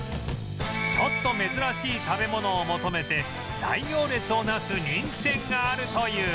ちょっと珍しい食べ物を求めて大行列をなす人気店があるという